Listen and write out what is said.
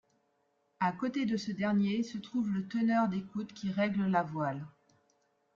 À côté de ce dernier se trouve le teneur d'écoute, qui règle la voile.